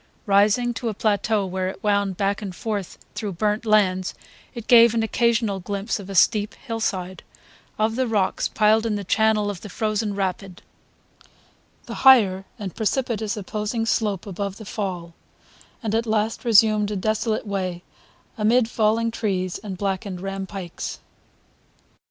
Rising to a plateau where it wound back and forth through burnt lands it gave an occasional glimpse of steep hillside, of the rocks piled in the channel of the frozen rapid, the higher and precipitous opposing slope above the fall, and at the last resumed a desolate way amid fallen trees and blackened rampikes.